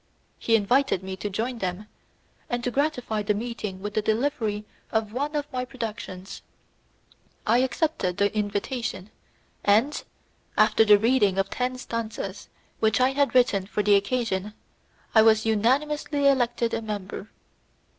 He invited me to join them, and to gratify the meeting with the delivery of one of my productions. I accepted the invitation, and, after the reading of ten stanzas which I had written for the occasion, I was unanimously elected a member.